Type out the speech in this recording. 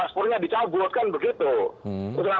kasurnya dicabut kan begitu